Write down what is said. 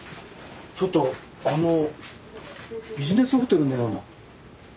ちょっとあのビジネスホテルのような何かなかなか。